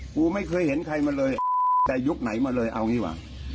กูไม่เคยเห็นใครมาเลยแต่ยุคไหนมาเลยเอางี้หว่ะ